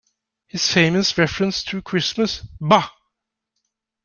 His famous reference to Christmas, Bah!